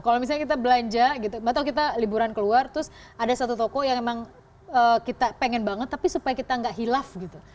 kalau misalnya kita belanja gitu atau kita liburan keluar terus ada satu toko yang emang kita pengen banget tapi supaya kita nggak hilaf gitu